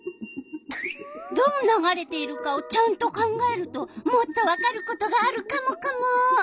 どう流れているかをちゃんと考えるともっとわかることがあるカモカモ！